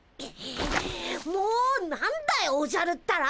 もう何だよおじゃるったら！